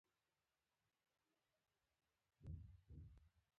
د ژبدود برخې نوم، نومځری ستيانوم ، نوږی شمېرنوم کړ